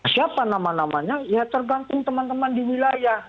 siapa nama namanya ya tergantung teman teman di wilayah